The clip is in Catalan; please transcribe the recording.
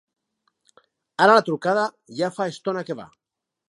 Ara la trucada ja fa estona que va.